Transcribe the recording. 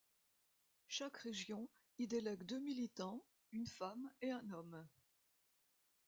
Chaque région y délègue deux militants, une femme et un homme.